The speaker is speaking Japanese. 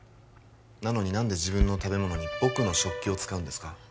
なのに何で自分の食べ物に僕の食器を使うんですか？